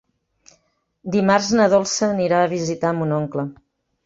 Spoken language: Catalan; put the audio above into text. Dimarts na Dolça anirà a visitar mon oncle.